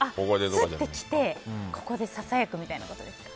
スッて来て、ここでささやくみたいなことですか？